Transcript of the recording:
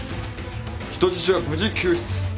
人質は無事救出。